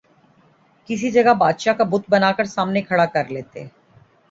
کسی جگہ بادشاہ کا بت بنا کر سامنے کھڑا کرلیتے